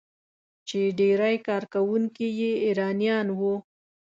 چې ډیری کارکونکي یې ایرانیان وو.